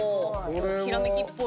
ひらめきっぽい。